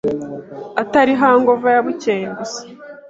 atari hangover ya bukeye gusa,